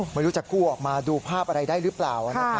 ไม่รู้จะกู้ออกมาดูภาพอะไรได้หรือเปล่า